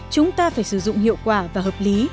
chúng ta phải sử dụng hiệu quả và hợp lý